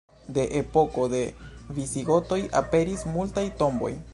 De epoko de visigotoj aperis multaj tomboj.